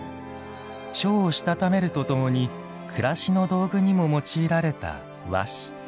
書をしたためるとともに暮らしの道具にも用いられた和紙。